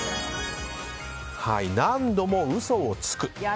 何度も嘘をつく。